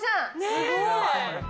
すごい。